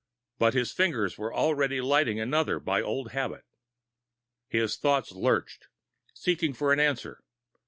But his fingers were already lighting another by old habit. His thoughts lurched, seeking for an answer.